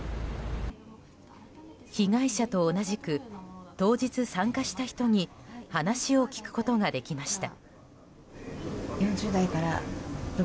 被害者と同じく当日参加した人に話を聞くことができました。